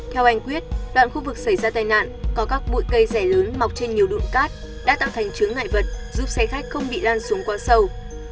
theo anh quyết đoạn khu vực xảy ra tai nạn có các bụi cây rẻ lớn mọc trên nhiều đụn cát đã tạo thành chứa ngại vật giúp xe khách không bị lan xuống qua sâu